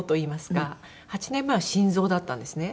８年前は心臓だったんですね。